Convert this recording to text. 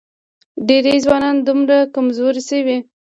ډېری ځوانان دومره کمزوري شوي